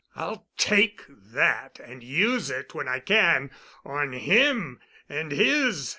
I'll take that and use it when I can—on him and his."